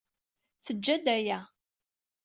Tejja-d aya.